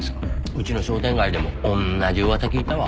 うちの商店街でも同じ噂聞いたわ。